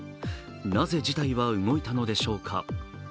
なぜ事態は動いたのでしょうか。